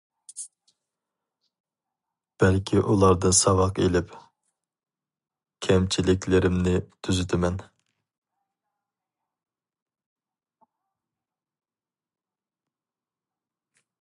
بەلكى ئۇلاردىن ساۋاق ئېلىپ، كەمچىلىكلىرىمنى تۈزىتىمەن.